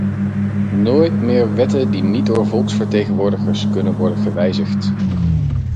Nooit meer wetten die niet door volksvertegenwoordigers kunnen worden gewijzigd.